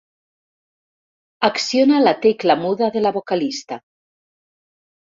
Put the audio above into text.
Acciona la tecla muda de la vocalista.